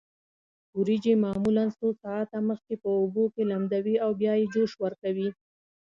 وریجې معمولا څو ساعته مخکې په اوبو کې لمدوي او بیا یې جوش ورکوي.